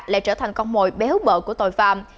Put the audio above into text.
lại trở thành con mồi bé hút bợ của tội phạm